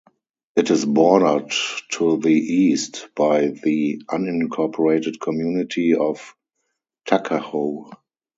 It is bordered to the east by the unincorporated community of Tuckahoe.